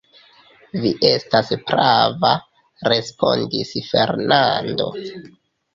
Vi estas prava, respondis Fernando!